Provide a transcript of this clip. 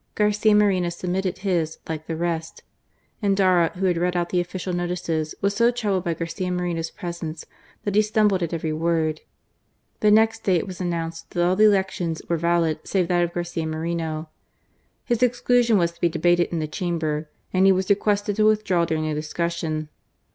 Garcia Moreno submitted his, like the rest. Endara, who had to read out the official i8o GARCIA MORENO. notices, was so troubled by Garcia Moreno's^ presence, that he stumbled at every word. The next day it was announced that all the elections were valid save that of Garcia Moreno. His ex clusion was to be debated in the Chamber, and he was ' requested to withdraw during the discussion.